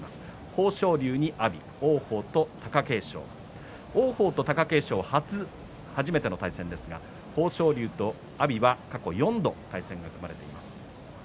豊昇龍に阿炎、王鵬と貴景勝王鵬と貴景勝は初めての対戦ですが豊昇龍、阿炎が過去４度対戦が組まれています。